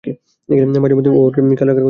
মাঝেমধ্যে ও ওর খেয়াল রাখার কথা ভুলে যায়!